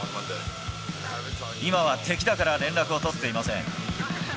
今は敵だから連絡を取っていません。